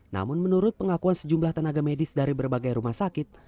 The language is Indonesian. namun menurut pengakuan sejumlah tenaga medis dari berbagai rumah sakit